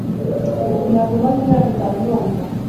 Ntabwo maze imyaka itanu numva.